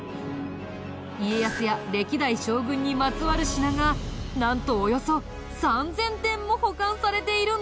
家康や歴代将軍にまつわる品がなんとおよそ３０００点も保管されているんだ。